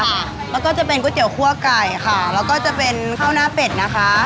แล้วก็จะเป็นก๋วยเตี๋ยคั่วไก่ค่ะแล้วก็จะเป็นข้าวหน้าเป็ดนะคะ